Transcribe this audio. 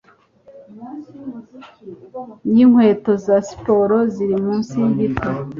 yinkweto za siporo ziri munsi yigiti